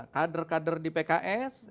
kader kader di pks